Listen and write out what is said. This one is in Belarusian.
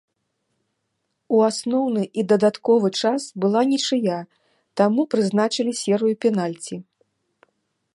У асноўны і дадатковы час была нічыя, таму прызначылі серыю пенальці.